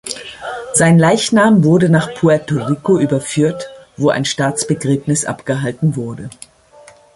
Sein Leichnam wurde nach Puerto Rico überführt, wo ein Staatsbegräbnis abgehalten wurde.